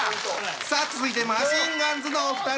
さあ続いてマシンガンズのお二人！